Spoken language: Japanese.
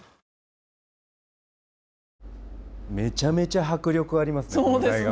めちゃめちゃ迫力ありますね。